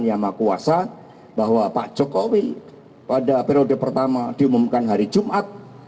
yang maha kuasa bahwa pak jokowi pada periode pertama diumumkan hari jumat